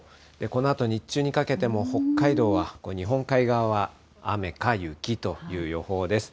このあと日中にかけても、北海道は、日本海側は雨か雪という予報です。